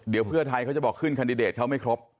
เดี๋ยวเพื่อไทยเขาจะบอกขึ้นคันดิเดตเขาไม่ครบ